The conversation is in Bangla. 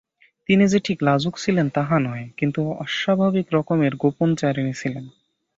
তিনি যে ঠিক লাজুক ছিলেন তাহা নহে, কিন্তু অস্বাভাবিক রকমের গোপনচারিণী ছিলেন।